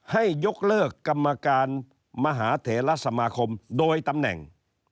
ให้ยกเลิกกรรมการมหาเถระสมาคมโดยตำแหน่ง